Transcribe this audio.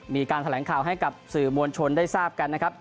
มีการแถลงข่าวให้กับสื่อมวลชนได้ทราบกันนะครับ